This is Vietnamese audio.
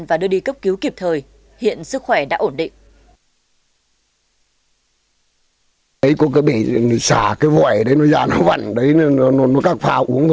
và đưa đi cấp cứu kịp thời hiện sức khỏe đã ổn định